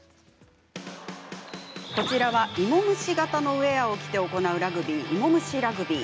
こちらは芋虫型のウエアを着て行うラグビーイモムシラグビー。